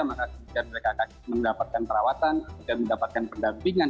mereka mendapatkan perawatan dan mendapatkan pendampingan